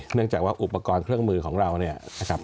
เนื่องจากว่าอุปกรณ์เครื่องมือของเราเนี่ยนะครับ